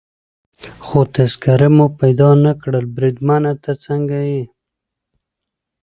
خو تذکیره مو پیدا نه کړل، بریدمنه ته څنګه یې؟